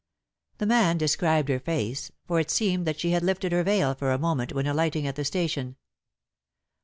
The man described her face, for it seemed that she had lifted her veil for a moment when alighting at the station.